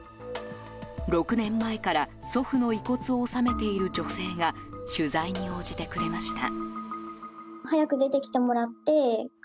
６年前から祖父の遺骨を納めている女性が取材に応じてくれました。